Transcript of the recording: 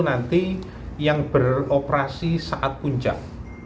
nanti yang beroperasi saat puncak